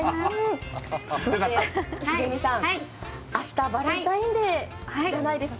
そして、繁美さん、明日、バレンタインデーじゃないですか。